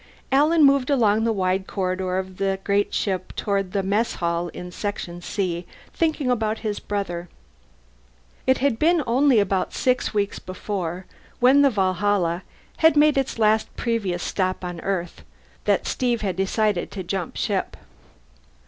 Alan moved along the wide corridor of the great ship toward the mess hall in Section C, thinking about his brother. It had been only about six weeks before, when the Valhalla had made its last previous stop on Earth, that Steve had decided to jump ship.